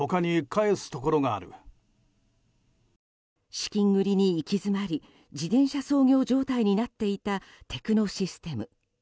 資金繰りに行き詰まり自転車操業状態になっていたテクノシステム。